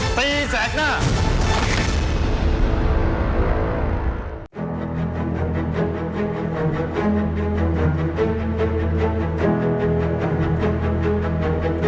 ผมไม่ร่วมมือกับคนเลวหรอกผมไม่ต้องการ